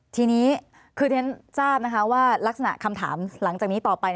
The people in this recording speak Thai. ทีนี้คือเรียนทราบนะคะว่ารักษณะคำถามหลังจากนี้ต่อไป